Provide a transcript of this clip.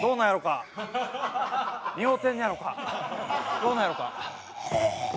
どうなんやろか？